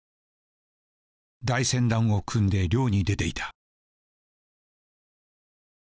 大船団を組んで漁に出ていた。